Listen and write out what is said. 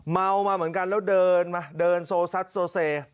เมามาเหมือนกันแล้วเดินมาเดินโซซัดโซเซ